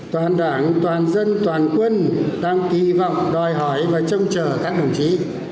toàn đảng toàn dân toàn quân đang kỳ vọng đòi hỏi và trông chờ các đồng chí